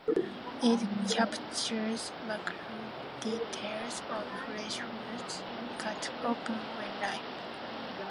It captures macro details of fresh fruit cut open when ripe.